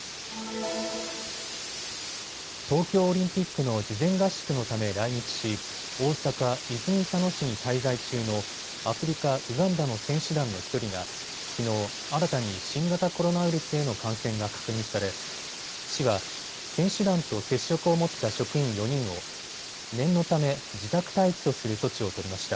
東京オリンピックの事前合宿のため来日し大阪泉佐野市に滞在中のアフリカ・ウガンダの選手団の１人がきのう新たに新型コロナウイルスへの感染が確認され市は選手団と接触を持った職員４人を念のため自宅待機とする措置を取りました。